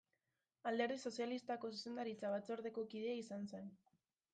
Alderdi Sozialistako zuzendaritza-batzordeko kidea izan zen.